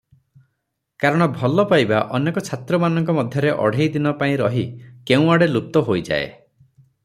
କାରଣ ଭଲପାଇବା ଅନେକ ଛାତ୍ରମାନଙ୍କ ମଧ୍ୟରେ ଅଢ଼େଇଦିନ ପାଇଁ ରହି କେଉଁଆଡ଼େ ଲୁପ୍ତ ହୋଇଯାଏ ।